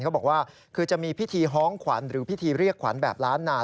เขาบอกว่าคือจะมีพิธีฮ้องขวัญหรือพิธีเรียกขวัญแบบล้านนา